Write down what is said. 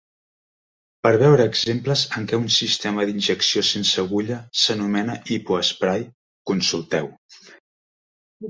Per veure exemples en què un sistema d'injecció sense agulla s'anomena hipoesprai, consulteu: